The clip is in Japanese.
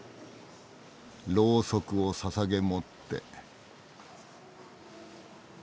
ろうそくをささげ持って。